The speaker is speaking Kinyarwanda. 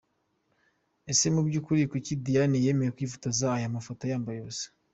Ese mubyukuri kuki Diane yemeye kwifotoza aya mafoto yambaye ubusa